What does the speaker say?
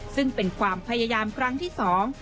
ซึ่งเป็นความพยายามครั้งที่สอง